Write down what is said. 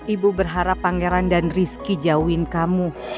ibu berharap pangeran dan rizki jauhin kamu